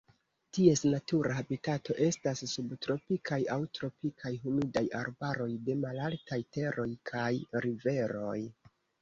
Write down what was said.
Ties natura habitato estas subtropikaj aŭ tropikaj humidaj arbaroj de malaltaj teroj kaj riveroj.